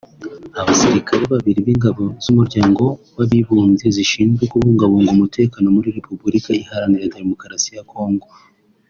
Abasirikare babiri b’Ingabo z’Umuryango w’Abibumbye zishinzwe kubungabunga umutekano muri Repubulika Iharanira Demokarasi ya Kongo